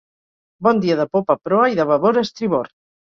Bon dia de popa a proa i de babord a estribord!